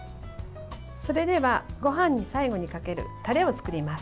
それでは、ごはんに最後にかけるタレを作ります。